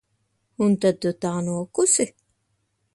Un tad tu tā nokusi?